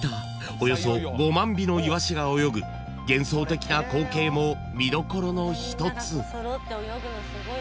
およそ５万尾のイワシが泳ぐ幻想的な光景も見どころの一つ］